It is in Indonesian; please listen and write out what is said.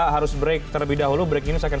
harus break terlebih dahulu breaking news akan